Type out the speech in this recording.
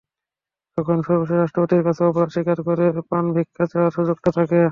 তখন সবশেষ রাষ্ট্রপতির কাছে অপরাধ স্বীকার করে প্রাণভিক্ষা চাওয়ার সুযোগ থাকে।